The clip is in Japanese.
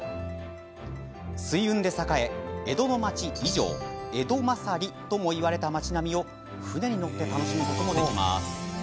水運で栄え、江戸の町以上江戸まさりともいわれた町並みを船に乗って楽しむこともできます。